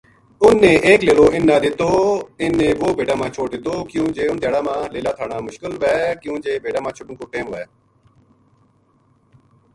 اِن نے ایک لیلواِن نا دتواِ ن نے وہ بھیڈاں ما چھوڈ دتوکیوں جے اُن دھیاڑاں ما لیلا تھانامشکل وھے کیوں جے بھیڈاں ما چھوڈن کو ٹیم ھوے